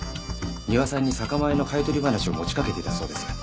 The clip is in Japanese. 丹羽さんに酒米の買い取り話を持ちかけていたそうです。